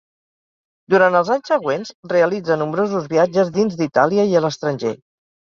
Durant els anys següents realitza nombrosos viatges dins d'Itàlia i a l'estranger.